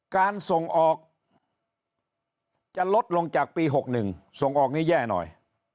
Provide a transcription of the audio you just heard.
การส่งออกจะลดลงจากปี๖๑ส่งออกนี้แย่หน่อย